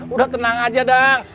udah tenang aja dam